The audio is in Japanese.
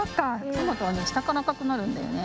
トマトはねしたからあかくなるんだよね。